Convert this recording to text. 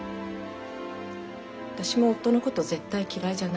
私も夫のこと絶対嫌いじゃない。